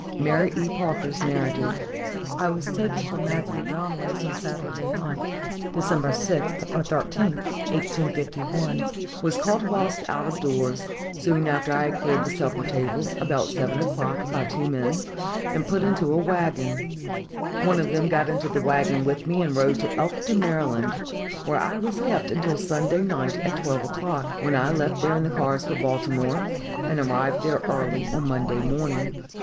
Mary E. Parker's Narrative. "I was taken from Matthew Donnelly's on Saturday night (Dec. 6th, or 13th, 1851); was caught whilst out of doors, soon after I had cleared the supper table, about seven o'clock, by two men, and put into a wagon. One of them got into the wagon with me, and rode to Elkton, Md., where I was kept until Sunday night at twelve o'clock, when I left there in the cars for Baltimore, and arrived there early on Monday morning.